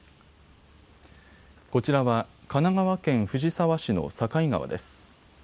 こちらは神奈川県藤沢市の境川です。